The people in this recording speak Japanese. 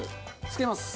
浸けます。